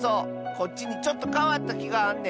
こっちにちょっとかわったきがあんねん。